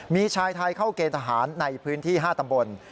มีชายไทยเข้าเกณฑ์ทหารในพื้นที่๕ตำบล